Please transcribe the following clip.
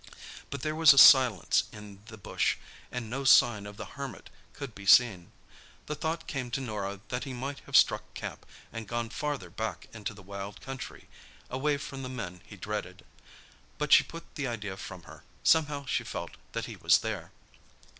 But there was silence in the bush, and no sign of the Hermit could be seen. The thought came to Norah that he might have struck camp, and gone farther back into the wild country, away from the men he dreaded. But she put the idea from her. Somehow she felt that he was there.